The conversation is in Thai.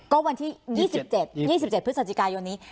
ก็วันที่๒๗๒๗พฤศจิกายนนี้